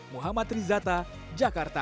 muhammad rizata jakarta